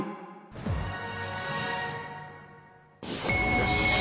よし。